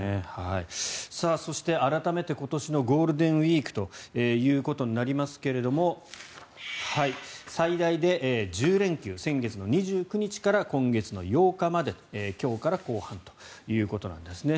そして、改めて今年のゴールデンウィークということになりますが最大で１０連休先月２９日から今月８日まで今日から後半ということですね。